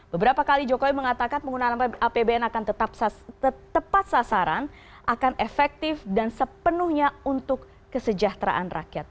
beberapa kali jokowi mengatakan penggunaan apbn akan tetap tepat sasaran akan efektif dan sepenuhnya untuk kesejahteraan rakyat